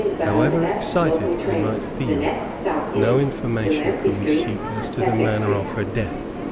However excited we might feel, no information could we seek as to the manner of her death.